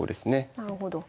なるほど。